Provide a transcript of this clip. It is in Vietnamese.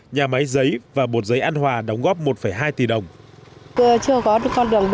nhà máy giấy và bột giấy an hòa đóng góp một hai tỷ đồng